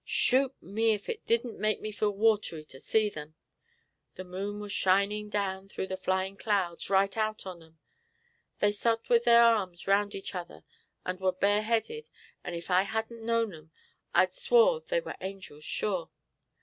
Shoot me! ef it didn't make me feel watery to see them. The moon war shinin' down through the flyin' clouds, right out on 'em. They sot with their arms round each other and war bare headed, and ef I hadn't knowed 'em I'd swore they were angels sure.